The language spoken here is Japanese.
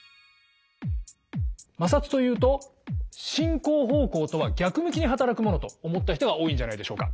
摩擦というと進行方向とは逆向きに働くものと思った人が多いんじゃないでしょうか。